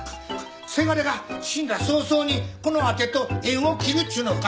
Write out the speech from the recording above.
せがれが死んだ早々にこのあてと縁を切るっちゅうのか？